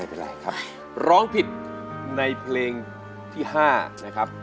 ไรครับร้องผิดในเพลงที่๕นะครับ